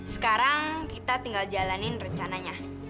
sekarang kita tinggal jalanin rencananya